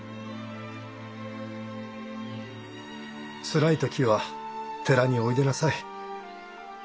つらい時は寺においでなさい。